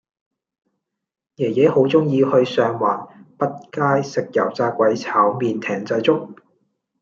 爺爺好鍾意去上環畢街食油炸鬼炒麵艇仔粥